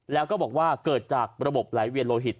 แล้วก็บอกว่าเกิดจากระบบไหลเวียนโลหิต